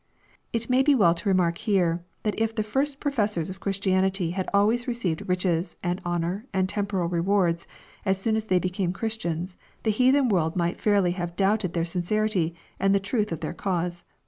It may be well to remark here, that if the first professors of Christianity had always received riches, and honor, and temporal rewards, as soon as they became Christians, the heathen world might fairly have doubted their sincerity, and the truth of their cause.